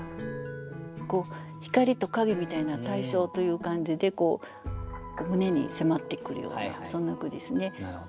光と影みたいな対照という感じで胸に迫ってくるようなそんな句ですね。